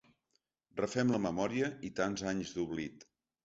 Refem la memòria i tants anys d’oblit.